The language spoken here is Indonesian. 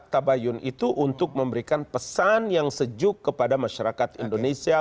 tabayun itu untuk memberikan pesan yang sejuk kepada masyarakat indonesia